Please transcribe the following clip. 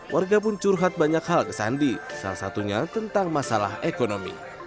warga pun curhat banyak hal ke sandi salah satunya tentang masalah ekonomi